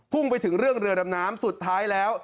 ่งไปถึงเรื่องเรือดำน้ำสุดท้ายแล้ว